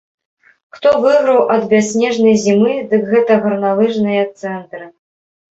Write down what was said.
Хто выйграў ад бясснежнай зімы, дык гэта гарналыжныя цэнтры!